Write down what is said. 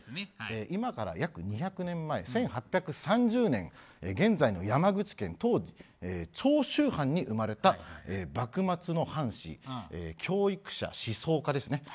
今から約２００年前１８３０年に現在の山口県当時長州藩に生まれた幕末の藩士教育者、思想家ですね。